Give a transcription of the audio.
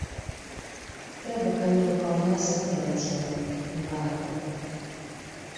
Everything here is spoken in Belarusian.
Трэба каня ў калгас аддаваць яму, небараку.